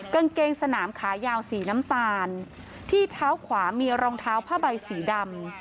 กางเกงสนามขายาวสีน้ำตาลที่เท้าขวามีรองเท้าผ้าใบสีดำ